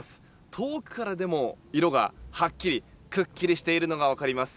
遠くからでも色がはっきり、くっきりしているのが分かります。